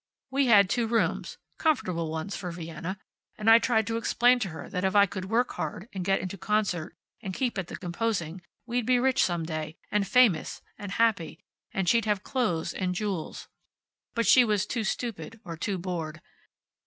We had two rooms, comfortable ones, for Vienna, and I tried to explain to her that if I could work hard, and get into concert, and keep at the composing, we'd be rich some day, and famous, and happy, and she'd have clothes, and jewels. But she was too stupid, or too bored.